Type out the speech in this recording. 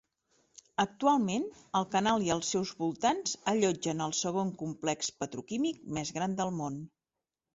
Actualment, el canal i els seus voltants allotgen el segon complex petroquímic més gran del món.